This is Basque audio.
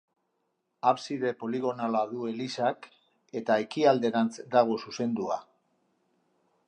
Abside poligonala du elizak eta ekialderantz dago zuzendua.